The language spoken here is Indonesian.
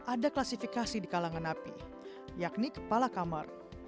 ada klasifikasi di kalangan napi yakni kepala kamar